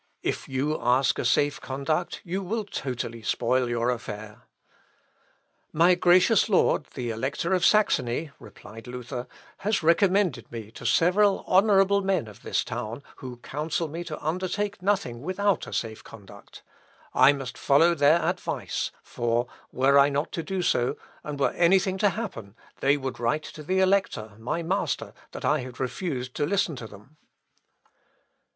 If you ask a safe conduct you will totally spoil your affair." Luth. Op. (L.) 179. "My gracious lord, the Elector of Saxony," replied Luther, "has recommended me to several honourable men of this town, who counsel me to undertake nothing without a safe conduct. I must follow their advice, for, were I not to do so, and were anything to happen, they would write to the Elector, my master, that I had refused to listen to them."